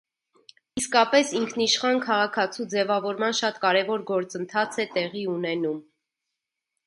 Իսկապես ինքնիշխան քաղաքացու ձևավորման շատ կարևոր գործընթաց է տեղի ունենում։